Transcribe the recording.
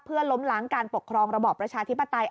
เพื่อล้มล้างการปกครองระบอบประชาธิปไตย